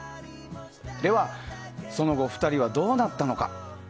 では、その後２人はどうなったのか。